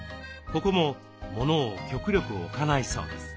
ここもモノを極力置かないそうです。